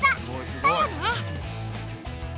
だよね